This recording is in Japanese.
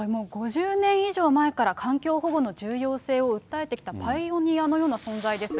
５０年以上前から、環境保護の重要性を訴えてきたパイオニアのような存在です。